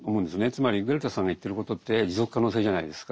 つまりグレタさんが言ってることって持続可能性じゃないですか。